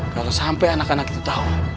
kalau sampe anak anak itu tau